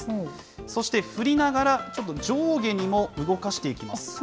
そして振りながら、ちょっと上下にも動かしていきます。